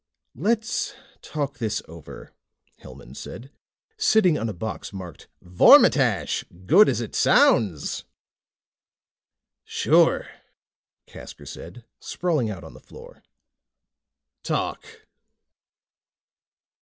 "Let's talk this over," Hellman said, sitting on a box marked: VORMITISH GOOD AS IT SOUNDS! "Sure," Casker said, sprawling out on the floor. "Talk."